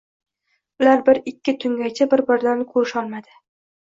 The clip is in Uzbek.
Ular ikki tungacha bir-birlarini ko‘rishmadi.